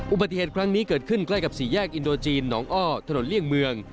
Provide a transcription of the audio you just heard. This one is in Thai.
อุบัติเหตุครั้งนี้เกิดขึ้นใกล้กับสี่แยกอินโดจีนหนองอ้อถนนเลี่ยงเมือง